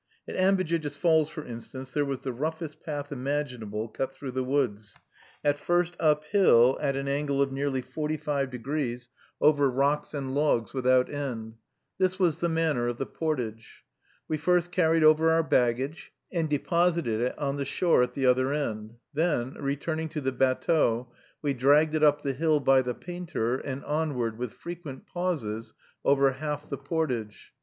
At Ambejijis Falls, for instance, there was the roughest path imaginable cut through the woods; at first up hill, at an angle of nearly forty five degrees, over rocks and logs without end. This was the manner of the portage. We first carried over our baggage, and deposited it on the shore at the other end; then, returning to the batteau, we dragged it up the hill by the painter, and onward, with frequent pauses, over half the portage.